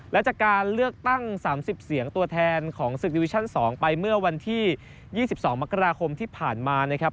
และจากการเลือกตั้ง๓๐เสียงตัวแทนของศึกดิวิชั่น๒ไปเมื่อวันที่๒๒มกราคมที่ผ่านมานะครับ